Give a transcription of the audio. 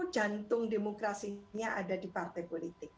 jantung demokrasinya ada di partai politik